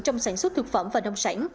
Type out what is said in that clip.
trong sản xuất thực phẩm và nông sản